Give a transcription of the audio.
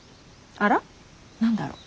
あら何だろ。